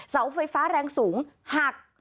เสาไฟฟ้าแรงสูงหัก